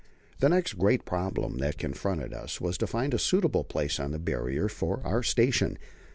The next great problem that confronted us was to find a suitable place on the Barrier for our station.